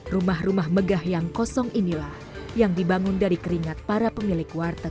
rumah rumah megah yang kosong inilah yang dibangun dari keringat para pemilik warteg